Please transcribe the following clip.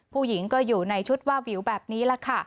ผู้หญิงก็อยู่ในชุดว่าวิวแบบนี้แหละค่ะ